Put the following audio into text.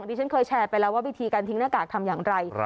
ที่ฉันเคยแชร์ไปแล้วว่าวิธีการทิ้งหน้ากากทำอย่างไร